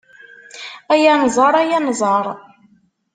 Ay Anẓar, ay Anẓar